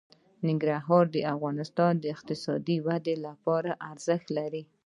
ننګرهار د افغانستان د اقتصادي ودې لپاره ارزښت لري.